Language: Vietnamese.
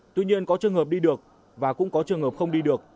tuy nhiên có trường hợp đi được và cũng có trường hợp không đi được